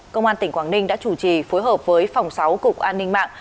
công an tỉnh quảng ninh đã chủ trì phối hợp với phòng sáu cục an ninh mạng